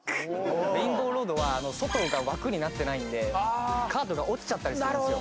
レインボーロードは外が枠になってないんでカートが落ちちゃったりするんですよ。